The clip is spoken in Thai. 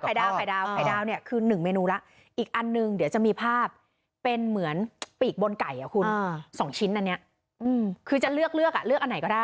ไข่ดาวไข่ดาวเนี่ยคือหนึ่งเมนูแล้วอีกอันนึงเดี๋ยวจะมีภาพเป็นเหมือนปีกบนไก่อ่ะคุณสองชิ้นอันนี้คือจะเลือกเลือกอ่ะเลือกอันไหนก็ได้